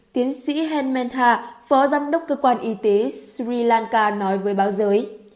tiến sĩ henmanta phó giám đốc cơ quan y tế sri lanka nói với báo giới